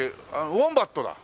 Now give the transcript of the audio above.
ウォンバットだ。